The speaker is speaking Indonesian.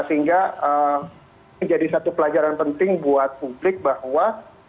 sehingga menjadi satu pelajaran penting buat publik bahwa